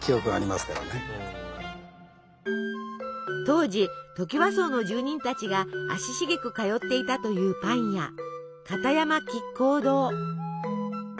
当時トキワ荘の住人たちが足しげく通っていたというパン屋片山菊香堂。